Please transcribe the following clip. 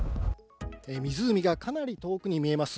湖がかなり遠くに見えます